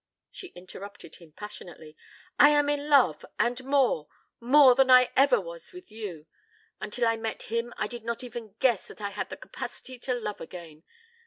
She interrupted him passionately. "I am in love and more more than I ever was with you. Until I met him I did not even guess that I had the capacity to love again.